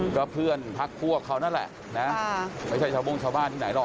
อื้มก็เพื่อนพักคู่กับเขานั่นแหละนะฮะไม่ใช่ชาวบุงชาวบ้านที่ไหนหรอกน่ะ